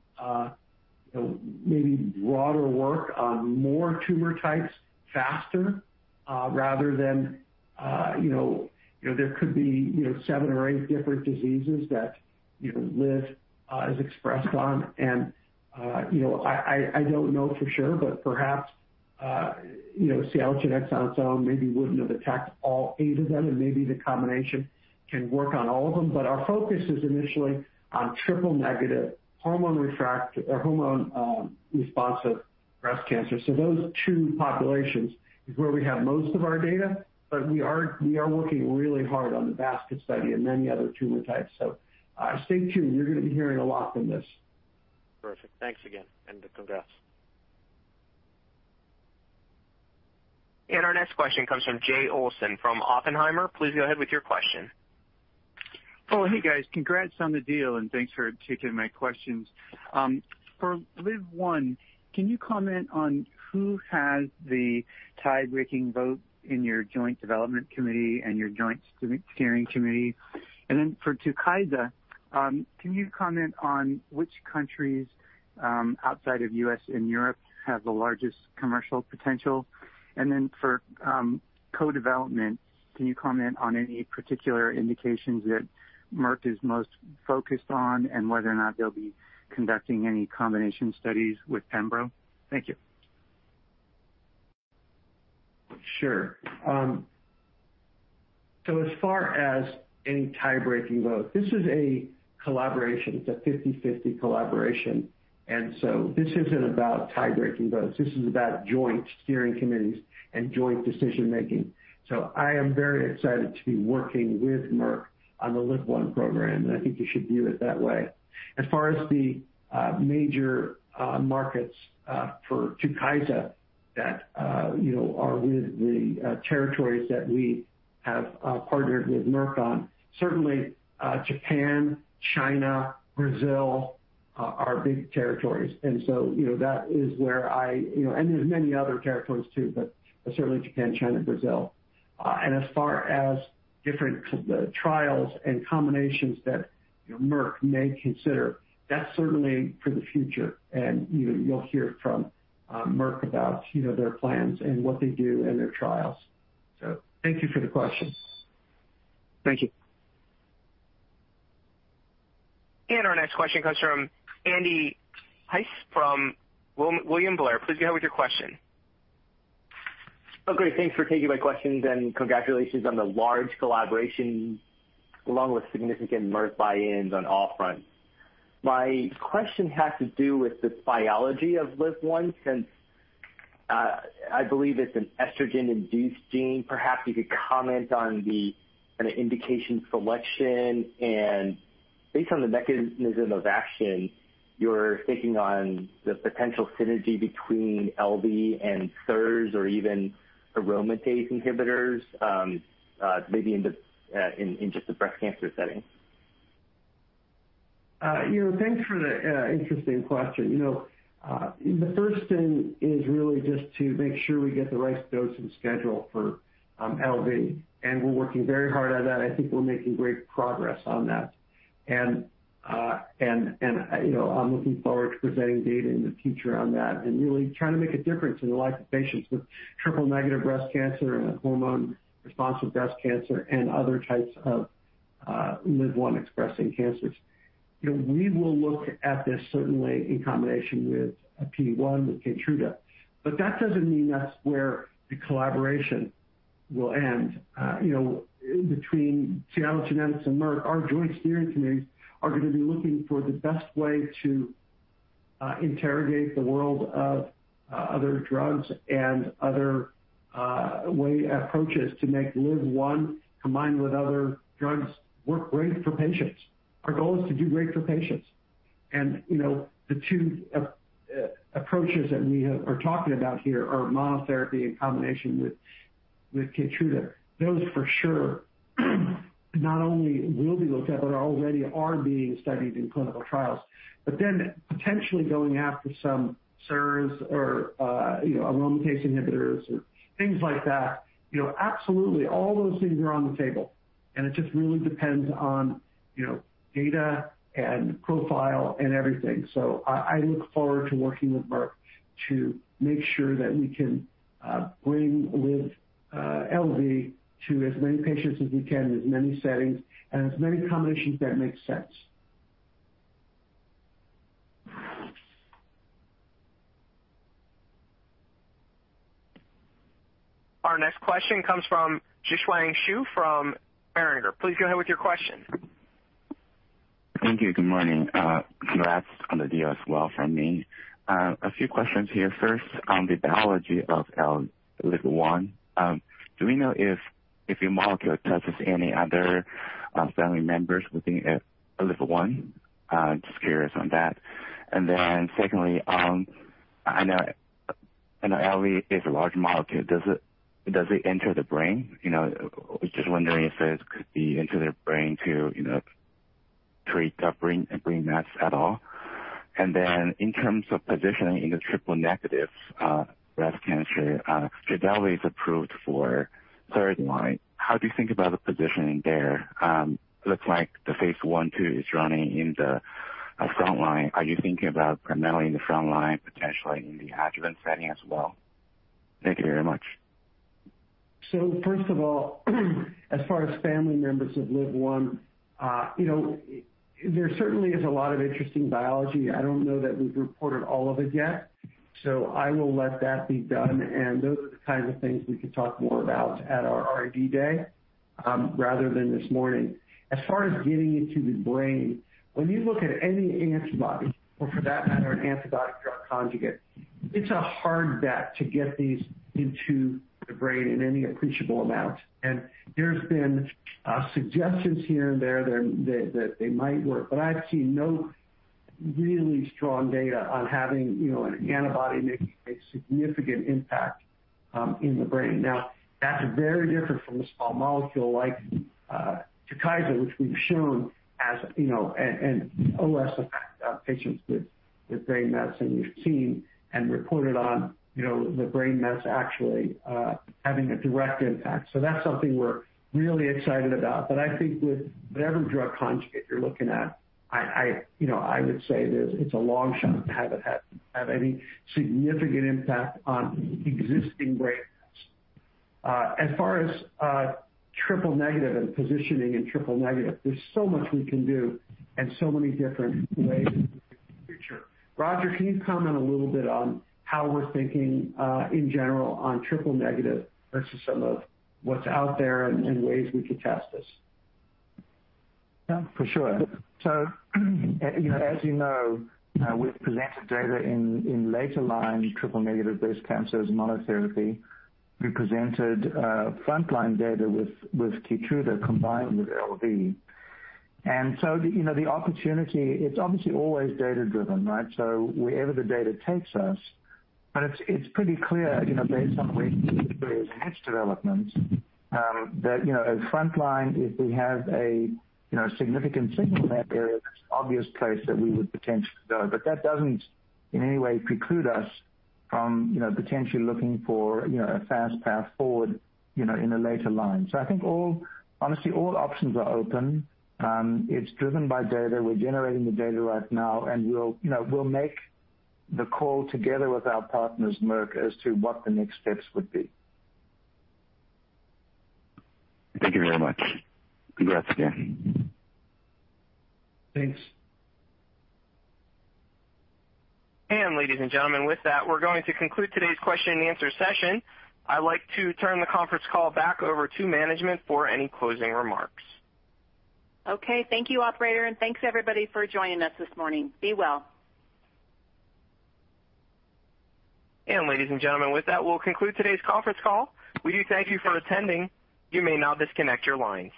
maybe broader work on more tumor types faster, rather than there could be seven or eight different diseases that LIV is expressed on. I don't know for sure, but perhaps Seattle Genetics on its own maybe wouldn't have attacked all eight of them, and maybe the combination can work on all of them. Our focus is initially on triple-negative hormone-responsive breast cancer. Those two populations is where we have most of our data, but we are working really hard on the basket study and many other tumor types. Stay tuned. You're going to be hearing a lot from this. Perfect. Thanks again, and congrats. Our next question comes from Jay Olson from Oppenheimer. Please go ahead with your question. Oh, hey, guys. Congrats on the deal, thanks for taking my questions. For LIV-1, can you comment on who has the tie-breaking vote in your joint development committee and your joint steering committee? For TUKYSA, can you comment on which countries outside of U.S. and Europe have the largest commercial potential? For co-development, can you comment on any particular indications that Merck is most focused on, and whether or not they'll be conducting any combination studies with pembro? Thank you. Sure. As far as any tie-breaking vote, this is a collaboration. It's a 50/50 collaboration. This isn't about tie-breaking votes. This is about joint steering committees and joint decision-making. I am very excited to be working with Merck on the LIV-1 program, and I think you should view it that way. As far as the major markets for TUKYSA that are with the territories that we have partnered with Merck on, certainly Japan, China, Brazil are big territories. There's many other territories too, but certainly Japan, China, Brazil. As far as different trials and combinations that Merck may consider, that's certainly for the future. You'll hear from Merck about their plans and what they do and their trials. Thank you for the question. Thank you. Our next question comes from Andy Hsieh from William Blair. Please go ahead with your question. Great. Thanks for taking my questions, and congratulations on the large collaboration along with significant Merck buy-ins on all fronts. My question has to do with the biology of LIV-1, since I believe it's an estrogen-induced gene. Perhaps you could comment on the indication selection and based on the mechanism of action, you're taking on the potential synergy between LV and SERDs or even aromatase inhibitors, maybe in just the breast cancer setting. Thanks for the interesting question. The first thing is really just to make sure we get the right dose and schedule for LV, we're working very hard at that. I think we're making great progress on that. I'm looking forward to presenting data in the future on that and really trying to make a difference in the lives of patients with triple-negative breast cancer and hormone-responsive breast cancer and other types of LIV-1 expressing cancers. We will look at this certainly in combination with a PD-1 with KEYTRUDA, that doesn't mean that's where the collaboration will end. Between Seattle Genetics and Merck, our joint steering committees are going to be looking for the best way to interrogate the world of other drugs and other approaches to make LIV-1 combined with other drugs work great for patients. Our goal is to do great for patients. The two approaches that we are talking about here are monotherapy in combination with KEYTRUDA. Those for sure not only will be looked at, but already are being studied in clinical trials. Potentially going after some SERDs or aromatase inhibitors or things like that, absolutely all those things are on the table, and it just really depends on data and profile and everything. I look forward to working with Merck to make sure that we can bring LV to as many patients as we can, in as many settings and as many combinations that make sense. Our next question comes from Zhiqiang Shu from Berenberg. Please go ahead with your question. Thank you. Good morning. Congrats on the deal as well from me. A few questions here. First, on the biology of LIV-1, do we know if your molecule touches any other family members within LIV-1? Just curious on that. Secondly, I know LV is a large molecule. Does it enter the brain? Just wondering if it could be into the brain to treat brain mets at all. In terms of positioning in the triple-negative breast cancer, TRODELVY is approved for third line. How do you think about the positioning there? Looks like the phase I/II is running in the front line. Are you thinking about primarily in the front line, potentially in the adjuvant setting as well? Thank you very much. First of all, as far as family members of LIV-1, there certainly is a lot of interesting biology. I don't know that we've reported all of it yet, so I will let that be done, and those are the kinds of things we could talk more about at our R&D Day, rather than this morning. As far as getting into the brain, when you look at any antibody, or for that matter, an antibody-drug conjugate, it's a hard bet to get these into the brain in any appreciable amount. There's been suggestions here and there that they might work. I've seen no really strong data on having an antibody making a significant impact in the brain. Now, that's very different from a small molecule like TUKYSA, which we've shown in HER2-positive patients with brain mets, and we've seen and reported on the brain mets actually having a direct impact. That's something we're really excited about. I think with whatever drug conjugate you're looking at, I would say that it's a long shot to have it have any significant impact on existing brain mets. As far as triple negative and positioning in triple negative, there's so much we can do and so many different ways we can picture. Roger, can you comment a little bit on how we're thinking in general on triple negative versus some of what's out there and ways we could test this? Yeah, for sure. As you know, we've presented data in later-line triple-negative breast cancer as monotherapy. We presented front-line data with KEYTRUDA combined with LV. The opportunity, it's obviously always data-driven, right? Wherever the data takes us, but it's pretty clear based on where we think the disease develops that front-line, if we have a significant signal in that area, that's an obvious place that we would potentially go. That doesn't in any way preclude us from potentially looking for a fast path forward in a later line. I think honestly, all options are open. It's driven by data. We're generating the data right now, and we'll make the call together with our partners, Merck, as to what the next steps would be. Thank you very much. Congrats again. Thanks. Ladies and gentlemen, with that, we're going to conclude today's question and answer session. I'd like to turn the conference call back over to management for any closing remarks. Okay. Thank you, operator, and thanks everybody for joining us this morning. Be well. Ladies and gentlemen, with that, we'll conclude today's conference call. We do thank you for attending. You may now disconnect your lines.